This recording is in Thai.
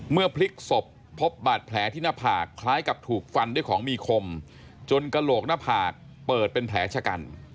พลิกศพพบบาดแผลที่หน้าผากคล้ายกับถูกฟันด้วยของมีคมจนกระโหลกหน้าผากเปิดเป็นแผลชะกัน